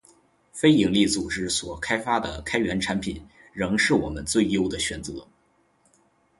非营利组织所开发的开源产品，仍是我们最优的选择